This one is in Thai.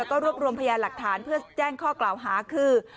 แล้วก็รวบรวมพยานหลักฐานเพื่อแจ้งข้อกล่าวหาคือ